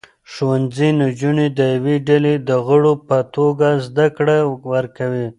ښوونځي نجونې د یوې ډلې د غړو په توګه زده کړې ورکوي.